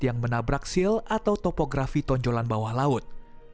yang menabrak sil atau topografi tonjolan bawah laut